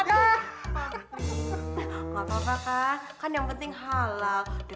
awas pangeran hati hati